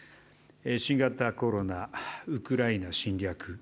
新型コロナ、ウクライナ侵略